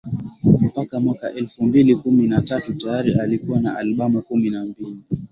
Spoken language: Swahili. Mpaka mwaka elfu mbili kumi na tatu tayari alikuwa na albamu kumi na mbili